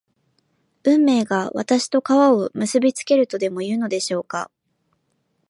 運命が私と川を結びつけるとでもいうのでしょうか